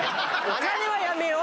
お金はやめよう？